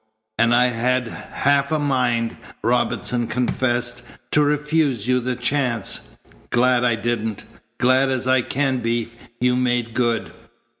"And I had half a mind," Robinson confessed, "to refuse you the chance. Glad I didn't. Glad as I can be you made good."